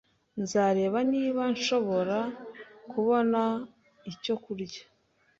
Nzareba niba nshobora kubona icyo kurya.